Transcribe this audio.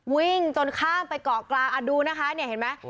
วิ่งจนข้ามไปเกาะกลางดูนะคะเนี่ยเห็นไหม